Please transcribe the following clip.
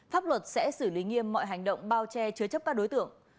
pháp luật sẽ xử lý nghiêm mọi hành động bao che chứa chấp các đối tượng